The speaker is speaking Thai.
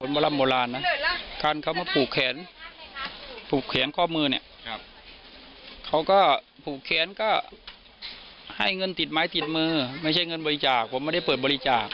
โบราณนะการเขามาผูกแขนผูกแขนข้อมือเนี่ยเขาก็ผูกแขนก็ให้เงินติดไม้ติดมือไม่ใช่เงินบริจาคผมไม่ได้เปิดบริจาค